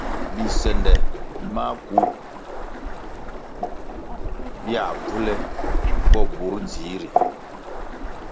Bisende maku biā bvu le bo bur dzihri.